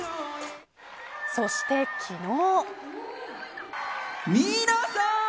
そして昨日。